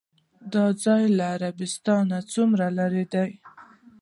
دا ځای له عربستان نه څومره لرې دی؟